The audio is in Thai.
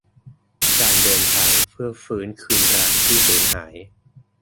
"การเดินทางเพื่อฟื้นคืนรักที่สูญหาย"